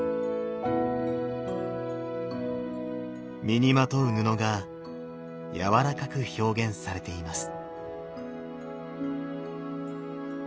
身にまとう布が柔らかく表現されています。